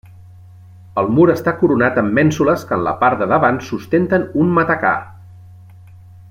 El mur està coronat amb mènsules que en la part de davant sustenten un matacà.